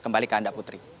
kembali ke anda putri